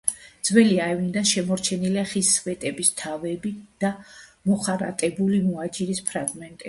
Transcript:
ძველი აივნიდან შემორჩენილია ხის სვეტების თავები და მოხარატებული მოაჯირის ფრაგმენტები.